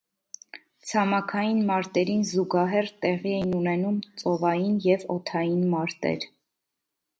Ցամաքային մարտերին զուգահեռ տեղի էին ունենում ծովային և օդային մարտեր։